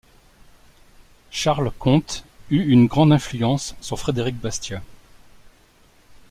Charles Comte eut une grande influence sur Frédéric Bastiat.